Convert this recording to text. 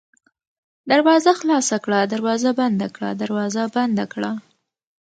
دروازه خلاصه کړه ، دروازه بنده کړه ، دروازه بنده کړه